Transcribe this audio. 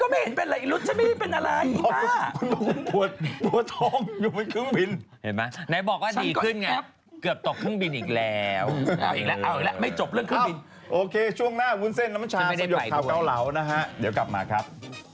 วุ้นเซ่นน้ำชาสยกง้าวเก่าเหลานะฮะเดี๋ยวกลับมาครับ